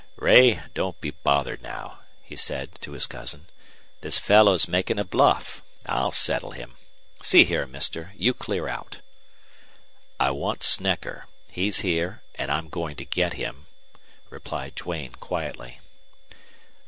"Ray, don't be bothered now," he said, to his cousin. "This fellow's making a bluff. I'll settle him. See here, Mister, you clear out!" "I want Snecker. He's here, and I'm going to get him," replied Duane, quietly.